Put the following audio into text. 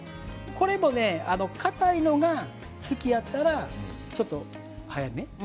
これもね硬いのが好きやったらちょっと早め。